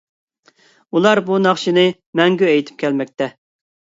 ئۇلار بۇ ناخشىنى مەڭگۈ ئېيتىپ كەلمەكتە.